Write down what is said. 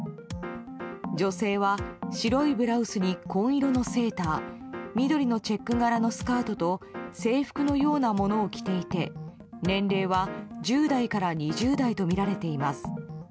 女性は、白いブラウスに紺色のセーター緑のチェック柄のスカートと制服のようなものを着ていて年齢は１０代から２０代とみられています。